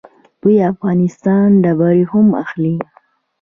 دوی د افغانستان ډبرې هم اخلي.